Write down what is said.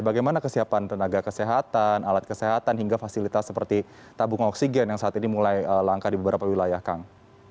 bagaimana kesiapan tenaga kesehatan alat kesehatan hingga fasilitas seperti tabung oksigen yang saat ini mulai langka di beberapa wilayah kang